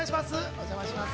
お邪魔します。